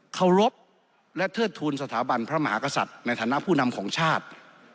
เคารพและเทิดทูลสถาบันพระมหากษัตริย์ในฐานะผู้นำของชาติ